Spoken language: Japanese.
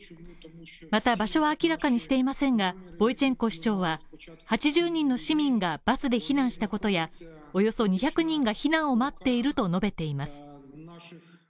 また場所は明らかにしていませんが、ボイチェンコ市長は８０人の市民がバスで避難したことや、およそ２００人が避難を待っていると述べています。